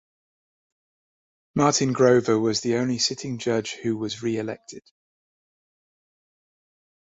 Martin Grover was the only sitting judge who was re-elected.